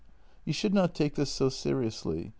" You should not take this so seriously.